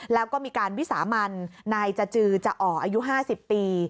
แล้วก็มีการวิสามันนายจจือจะอ่ออายุ๕๐ปี